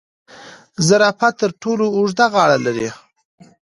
زرافه تر ټولو اوږده غاړه لري